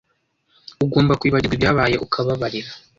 Ugomba kwibagirwa ibyabaye ukababarira